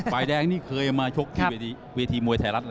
ฝ่ายแดงนี่เคยมาชกที่เวทีมวยไทยรัฐแล้ว